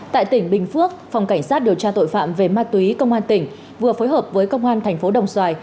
tại tỉnh bình phước phòng cảnh sát điều tra tội phạm về ma túy công an tỉnh vừa phối hợp với công an thành phố đồng xoài